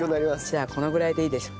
じゃあこのぐらいでいいでしょう。